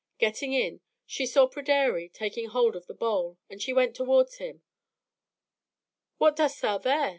Getting in, she saw Pryderi taking hold of the bowl, and she went towards him. "What dost thou here?"